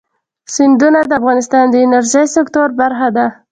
سیندونه د افغانستان د انرژۍ سکتور برخه ده.